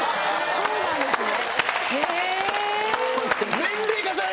そうなんですか。